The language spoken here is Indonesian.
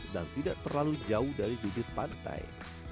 dan tidak terlalu jauh dari bibit pantai